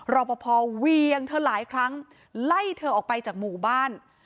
รอปภเวียงเธอหลายครั้งไล่เธอออกไปจากหมู่บ้าน